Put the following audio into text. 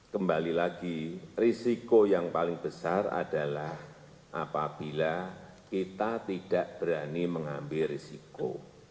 kembali lagi risiko yang paling besar adalah apabila kita tidak berani mengambil risiko